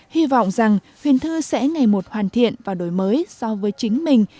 hy vọng rằng khuyên thư sẽ ngày một hoàn thiện và đổi mới so với chính mình